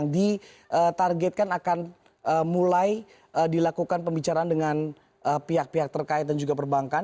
ditargetkan akan mulai dilakukan pembicaraan dengan pihak pihak terkait dan juga perbankan